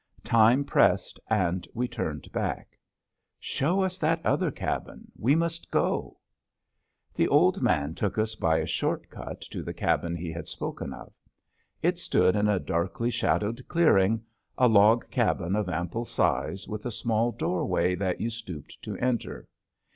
Time pressed and we turned back. "Show us that other cabin, we must go." The old man took us by a short cut to the cabin he had spoken of. It stood in a darkly shadowed clearing, a log cabin of ample size with a small doorway that you stooped to enter.